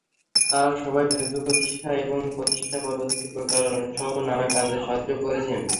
তাঁরা সবাই ফেসবুক প্রতিষ্ঠায় এবং প্রতিষ্ঠা-পরবর্তী প্রচারণাসহ নানা কাজে সাহায্য করেছেন।